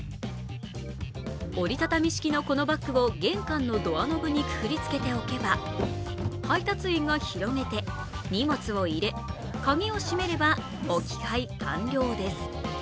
折り畳み式のこのバッグを玄関のドアノブにくくりつけておけば、配達員が広げて荷物を入れ、鍵をしめれば置き配完了です。